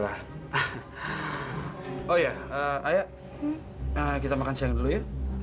oh ya aya kita makan siang dulu ya